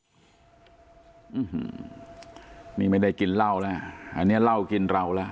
อื้อฮือนี่ไม่ได้กินเล่าล่ะอันเนี้ยเล่ากินเราล่ะ